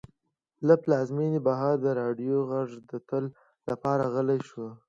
له پلازمېنې بهر د راډیو غږ د تل لپاره غلی شو.